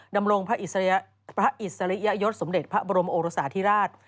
ดำรงพระอิสริยยศสมเด็จพระบรมโอรสาธิราช